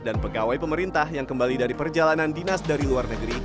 dan pemerintah yang kembali dari perjalanan dinas dari luar negeri